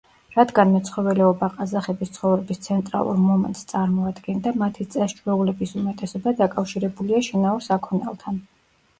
რადგან მეცხოველეობა ყაზახების ცხოვრების ცენტრალურ მომენტს წარმოადგენდა, მათი წეს-ჩვეულების უმეტესობა დაკავშირებულია შინაურ საქონელთან.